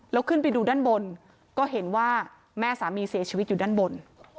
แล้วขึ้นไปดูด้านบนก็เห็นว่าแม่สามีเสียชีวิตอยู่ด้านบน